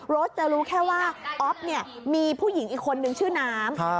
รถจะรู้แค่ว่าอ๊อฟเนี่ยมีผู้หญิงอีกคนนึงชื่อน้ำ